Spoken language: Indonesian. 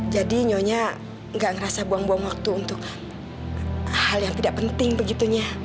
jadi nyonya gak ngerasa buang buang waktu untuk hal yang tidak penting begitunya